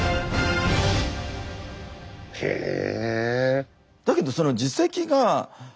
へえ。